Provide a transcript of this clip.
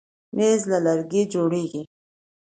مېز له لرګي جوړېږي.